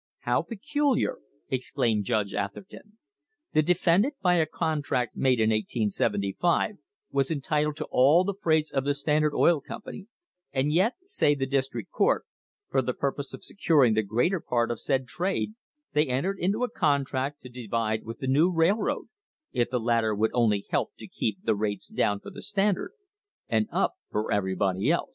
"How peculiar!" exclaimed Judge Atherton. "The defendant, by a contract made in 1875, was entitled to all the freights of the Standard Oil Company, and yet, say the District Court, 'for the purpose of securing the greater part of said trade,' they entered into a contract to divide with the new railroad, if the latter would only help to keep the rates down for the Standard and up for everybody else."